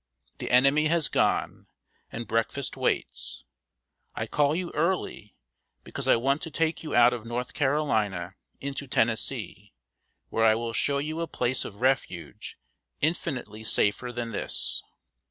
The enemy has gone, and breakfast waits. I call you early, because I want to take you out of North Carolina into Tennessee, where I will show you a place of refuge infinitely safer than this."